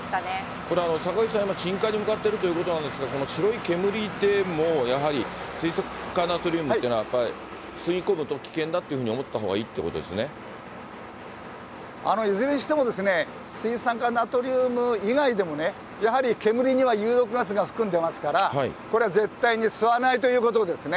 これ坂口さん、今、鎮火に向かっているということなんですが、この白い煙でも、やはり水酸化ナトリウムっていうのは、吸い込むと危険だというふうに思いずれにしても、水酸化ナトリウム以外でも、やはり煙には有毒ガスが含んでますから、これは絶対に吸わないということですね。